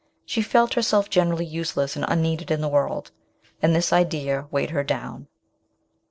She felt herself generally useless and un needed in the world, and this idea weighed her down.